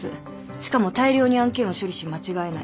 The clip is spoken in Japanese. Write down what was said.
しかも大量に案件を処理し間違えない。